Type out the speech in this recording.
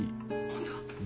本当？